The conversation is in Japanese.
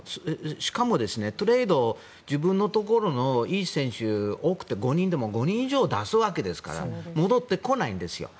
しかもトレード自分のところのいい選手多くても５人でも５人以上出すわけですから戻ってこないんですよ。